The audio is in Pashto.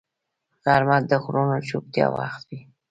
غرمه د غږونو چوپتیا وخت وي